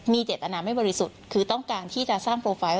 เจตนาไม่บริสุทธิ์คือต้องการที่จะสร้างโปรไฟล์